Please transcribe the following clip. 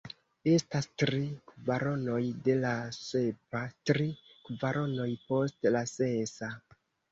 Estas tri kvaronoj de la sepa tri kvaronoj post la sesa.